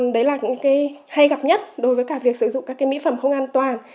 đấy là những cái hay gặp nhất đối với cả việc sử dụng các cái mỹ phẩm không an toàn